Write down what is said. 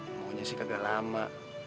pokoknya sih kagak lama